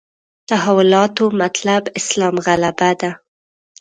تحولاتو مطلب اسلام غلبه ده.